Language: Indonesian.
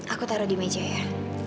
aku taruh di meja ya